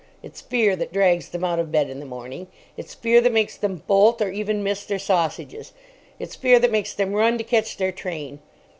It's fear that drags them out of bed in the morning; it's fear that makes them bolt, or even miss, their sausages; it's fear that makes them run to catch their train.